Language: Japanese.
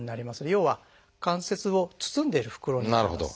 要は関節を包んでいる袋になります。